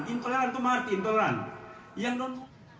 intoleran itu maksudnya intoleran